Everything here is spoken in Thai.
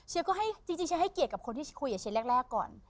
เชียวก็ให้จริงเชียวให้เกียรติกับคนที่คุยกับเชียวแรกก่อน